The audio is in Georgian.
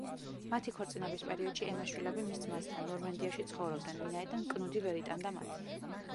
მათი ქორწინების პერიოდში ემას შვილები მის ძმასთან, ნორმანდიაში ცხოვრობდნენ, ვინაიდან კნუდი ვერ იტანდა მათ.